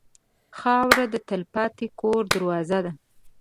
خاوره د تلپاتې کور دروازه ده.